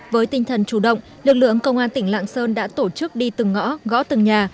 với tinh thần chủ động lực lượng công an tỉnh lạng sơn đã tổ chức đi từng ngõ gõ từng nhà